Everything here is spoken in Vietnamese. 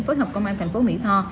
phối hợp công an tp mỹ tho